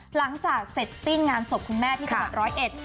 หลังจากเสร็จสิ้นงานศพคุณแม่ที่จังหวัดร้อยเอ็ด